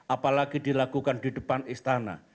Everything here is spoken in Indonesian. apalagi dilakukan di depan istana